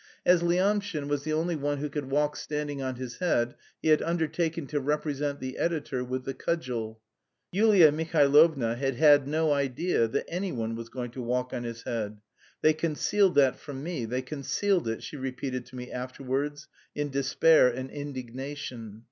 As Lyamshin was the only one who could walk standing on his head, he had undertaken to represent the editor with the cudgel. Yulia Mihailovna had had no idea that anyone was going to walk on his head. "They concealed that from me, they concealed it," she repeated to me afterwards in despair and indignation.